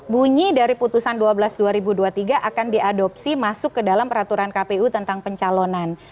bunyi dari putusan dua belas dua ribu dua puluh tiga akan diadopsi masuk ke dalam peraturan kpu tentang pencalonan